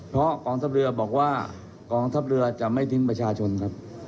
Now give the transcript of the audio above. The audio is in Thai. เพราะกองทัพเรือบอกว่ากองทัพเรือจะไม่ทิ้งประชาชนครับ